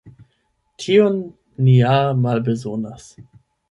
Tion ni ja malbezonas.